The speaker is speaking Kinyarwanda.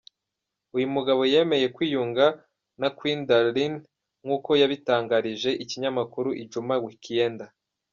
Uyu mugabo yemeye kwiyunga na Queen Darleen nk’uko yabitangarije ikinyamakuru Ijumaa Wikienda.